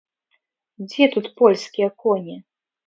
Дзе тут польскія коні?